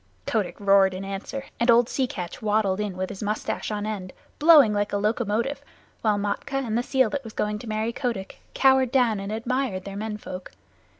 Kotick roared in answer, and old Sea Catch waddled in with his mustache on end, blowing like a locomotive, while Matkah and the seal that was going to marry Kotick cowered down and admired their men folk.